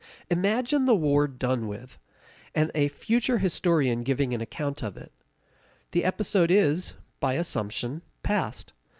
Imagine the war done with, and a future historian giving an account of it. The episode is, by assumption, past.